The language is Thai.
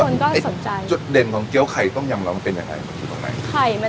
แล้วก็มีใส่หมูชิ้น